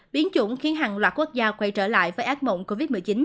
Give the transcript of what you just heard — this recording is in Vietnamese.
biến chủng khiến hàng loạt quốc gia quay trở lại với ác mộng covid một mươi chín